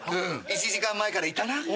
１時間前からいたな？